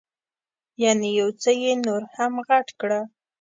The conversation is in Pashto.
یعنې یو څه یې نور هم غټ کړه.